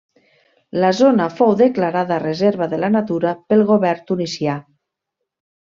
La zona fou declarada reserva de la natura pel govern tunisià.